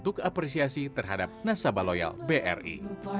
untuk apresiasi terhadap nasabah loyal bri